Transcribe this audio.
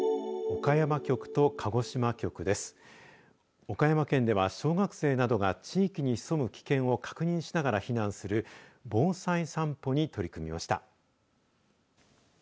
岡山県では小学生などが地域に潜む危険を確認しながら避難する防災さんぽに取り組みました。